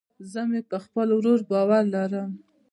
زه مې په خپل ورور باور لرم